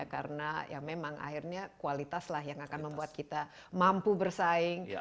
karena ya memang akhirnya kualitaslah yang akan membuat kita mampu bersaing